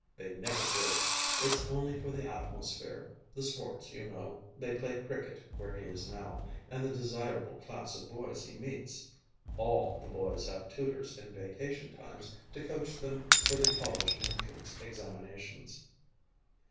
They never do. It's only for the atmosphere the sports; you know, they play cricket where he is now and the desirable class of boys he meets.... All the boys have tutors in vacation times to coach them for the college entrance examinations."